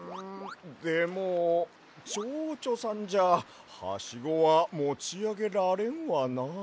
でもちょうちょさんじゃハシゴはもちあげられんわな。